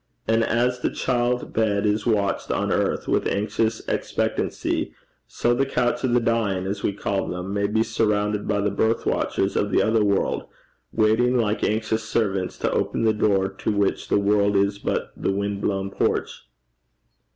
And as the child bed is watched on earth with anxious expectancy, so the couch of the dying, as we call them, may be surrounded by the birth watchers of the other world, waiting like anxious servants to open the door to which this world is but the wind blown porch.